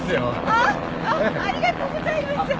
ありがとうございます！